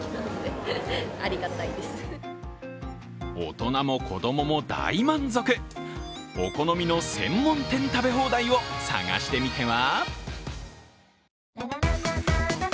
大人も子供も大満足お好みの専門店食べ放題を探してみては？